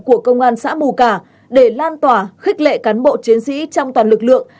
của công an xã mù cả để lan tỏa khích lệ cán bộ chiến sĩ trong toàn lực lượng